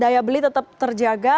daya beli tetap terjaga